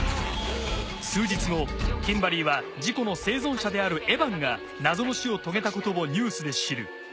数日後キンバリーは事故の生存者であるエバンが謎の死を遂げたことをニュースで知る。